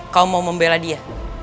kau mau membela dia